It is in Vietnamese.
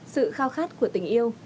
sự khao khát của tình yêu